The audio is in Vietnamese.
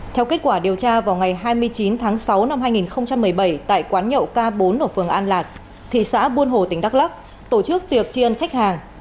theo kết quả điều tra vào ngày hai mươi chín tháng sáu năm hai nghìn một mươi bảy tại quán nhậu k bốn ở phường an lạc thị xã buôn hồ tỉnh đắk lắc tổ chức tiệc chiên khách hàng